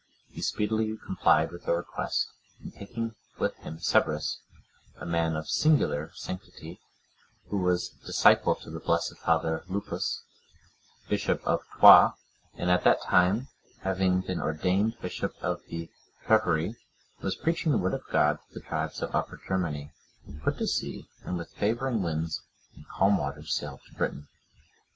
He speedily complied with their request; and taking with him Severus,(99) a man of singular sanctity, who was disciple to the blessed father, Lupus, bishop of Troyes, and at that time, having been ordained bishop of the Treveri, was preaching the Word of God to the tribes of Upper Germany, put to sea, and with favouring winds and calm waters sailed to Britain.